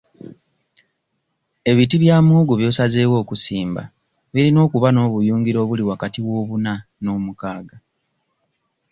Ebiti bya muwogo by'osazeewo okusimba birina okuba n'obuyungiro obuli wakati w'obuna n'omukaaga.